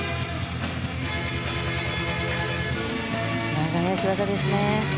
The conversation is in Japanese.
長い脚技ですね。